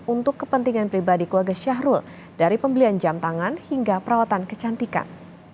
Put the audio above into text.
untuk kepentingan pribadi keluarga syahrul dari pembelian jam tangan hingga perawatan kecantikan